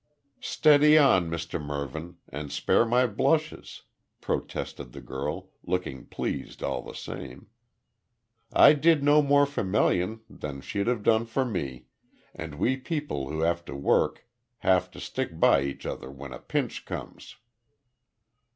"Steady on, Mr Mervyn, and spare my blushes," protested the girl, looking pleased all the same. "I did no more for Melian than she'd have done for me, and we people who have to work have to stick by each other when a pinch comes."